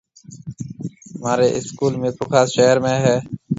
مهارِي اسڪول ميرپورخاص شهر ۾ هيَ۔